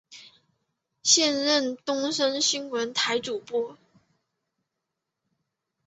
现任东森新闻台主播。